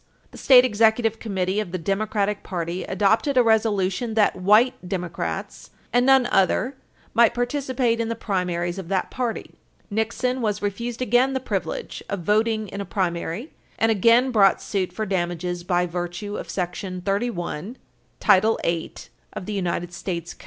The State Executive Committee of the Democratic party adopted a resolution that white Democrats and none other might participate in the primaries of that party. Nixon was refused again the privilege of voting in a primary, and again brought suit for damages by virtue of § 31, Title 8 U.S.